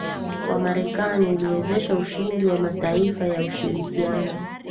wa Marekani uliwezesha ushindi wa mataifa ya ushirikiano